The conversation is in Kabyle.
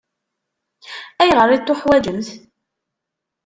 Ayɣer i t-teḥwaǧemt?